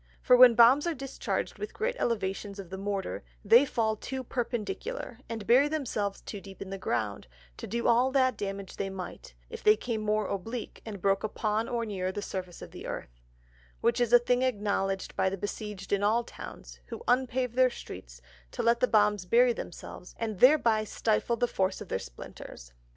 For when Bombs are discharged with great Elevations of the Mortar, they fall too Perpendicular, and bury themselves too deep in the Ground, to do all that damage they might, if they came more Oblique, and broke upon or near the Surface of the Earth; which is a thing acknowledg'd by the Besieged in all Towns, who unpave their Streets, to let the Bombs bury themselves, and thereby stifle the force of their Splinters.